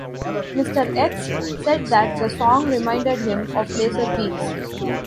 Mr. X said that the song reminded him of laser beams.